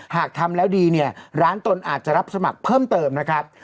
หากทำแล้วดีเนี่ยร้านตนอาจจะรับสมัครเพิ่มเติมนะครับ